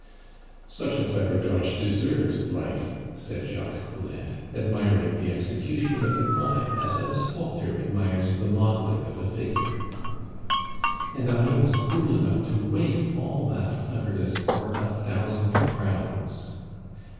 "Such a clever dodge deserves life," said Jacques Collin, admiring the execution of the crime as a sculptor admires the modeling of a figure. "And I was fool enough to waste all that cleverness for a thousand crowns!"